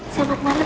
selamat malem nanti